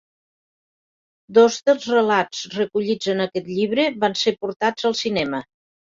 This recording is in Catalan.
Dos dels relats recollits en aquest llibre van ser portats al cinema.